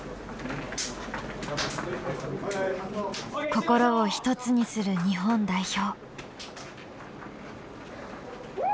心を一つにする日本代表。